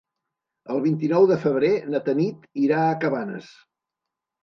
El vint-i-nou de febrer na Tanit irà a Cabanes.